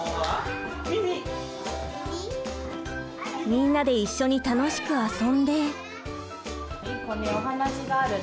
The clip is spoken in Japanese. みんなで一緒に楽しく遊んで。